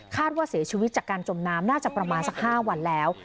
ว่าเสียชีวิตจากการจมน้ำน่าจะประมาณสัก๕วันแล้ว